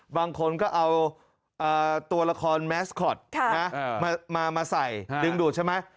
บางคนก็เอาตัวละครแมสคอตมาใส่ดึงดูดใช่ไหม